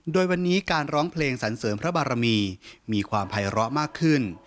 โดยวันนี้การร้องเพลงสันเสริมพระบารมีมีความภัยร้อมากขึ้น